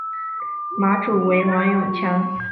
马主为王永强。